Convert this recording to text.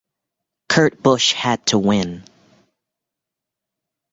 Kurt Busch had to win.